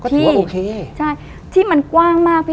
ก็ถือว่าโอเค